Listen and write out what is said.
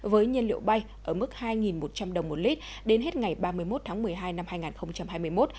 với nhiên liệu bay ở mức hai một trăm linh đồng một lít đến hết ngày ba mươi một tháng một mươi hai năm hai nghìn hai mươi một